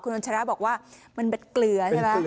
คุณอันชริยะบอกว่ามันเป็นเหลือใช่ไหม